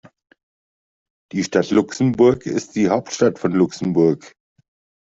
Die Stadt Luxemburg ist die Hauptstadt von Luxemburg.